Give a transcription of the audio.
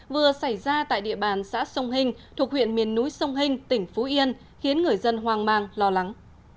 vừa xảy ra tại địa bàn xã sông hình thuộc huyện miền núi sông hình tỉnh phú yên khiến người dân hoang mang lo lắng